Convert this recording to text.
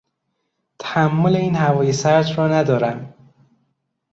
تحمل این هوای سرد را ندارم.